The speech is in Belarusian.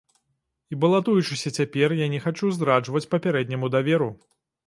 І балатуючыся цяпер, я не хачу здраджваць папярэдняму даверу.